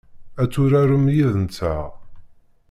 Ad turarem yid-nteɣ?